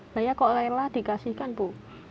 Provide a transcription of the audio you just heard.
nah ya kok rela dikasihkan bu